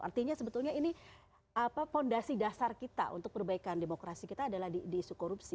artinya sebetulnya ini fondasi dasar kita untuk perbaikan demokrasi kita adalah di isu korupsi